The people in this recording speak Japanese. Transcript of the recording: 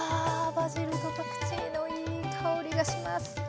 バジルとパクチーのいい香りがします。